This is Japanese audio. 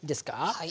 はい。